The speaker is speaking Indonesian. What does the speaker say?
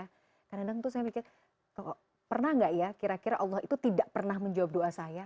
kadang kadang tuh saya mikir pernah nggak ya kira kira allah itu tidak pernah menjawab doa saya